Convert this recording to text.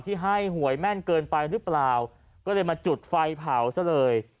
ที่ให้หวยแม่นเกินไปหรือเปล่าก็เลยมาจุดไฟเผาซะเลย